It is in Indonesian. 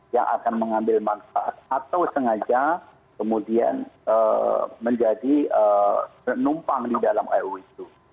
yang akan mengambil manfaat atau sengaja kemudian menjadi penumpang di dalam ruu itu